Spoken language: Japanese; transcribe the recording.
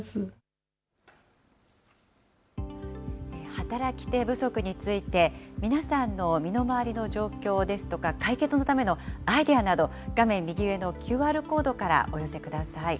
働き手不足について、皆さんの身の回りの状況ですとか、解決のためのアイデアなど、画面右上のＱＲコードからお寄せください。